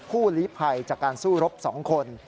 หลีภัยจากการสู้รบ๒คน